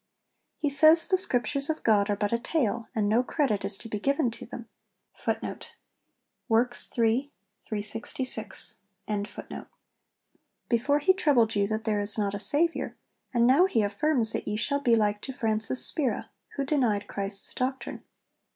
He says the Scriptures of God are but a tale, and no credit is to be given to them.... Before he troubled you that there is not a Saviour, and now he affirms that ye shall be like to Francis Spira, who denied Christ's doctrine.'